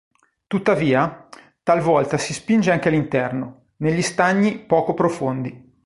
Tuttavia, talvolta si spinge anche all'interno, negli stagni poco profondi.